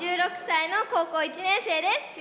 １６歳の高校１年生です